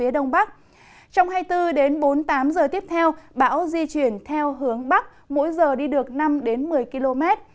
dự báo trong hai mươi bốn giờ tới bão di chuyển theo hướng bắc tây bắc mỗi giờ đi được năm một mươi km